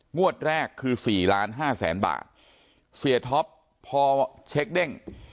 งวดแรกคือ๔๕๐๐๐๐๐บาทเสียท็อปพอเช็คเด้ง